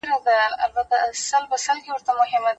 مورنۍ ژبه د زده کړې پروسې کې خنډونه نه رامنځته کوي.